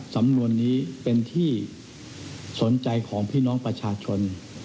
สำนวนนี้เป็นที่สนใจของพี่น้องประชาชน